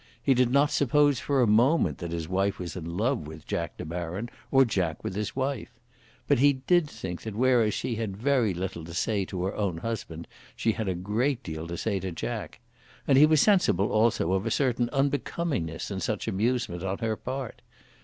He did not suppose for a moment that his wife was in love with Jack De Baron, or Jack with his wife. But he did think that whereas she had very little to say to her own husband she had a great deal to say to Jack. And he was sensible, also, of a certain unbecomingness in such amusement on her part.